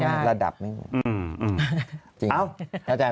ไม่ระดับนี่